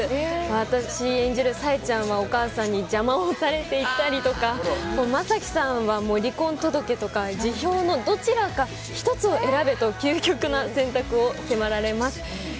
私演じる冴ちゃんはお母さんに邪魔をされたりとか正樹さんは離婚届か辞表のどちらかを選べと究極な選択を迫られます。